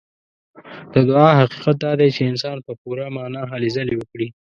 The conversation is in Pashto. د دعا حقيقت دا دی چې انسان په پوره معنا هلې ځلې وکړي.